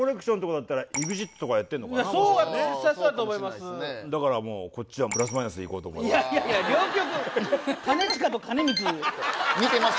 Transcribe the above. だからもうこっちはプラス・マイナスでいこうと思います。